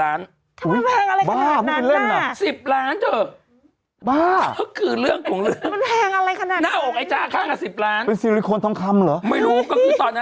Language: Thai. อะไรนมข้างกัน๑๐ล้าน